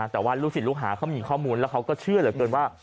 แต่ว่าลูกศิษย์ลูกหาเขามีข้อมูลแล้วเขาก็เชื่อเหลือเกินว่า